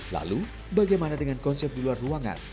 lalu bagaimana dengan konsep di luar ruangan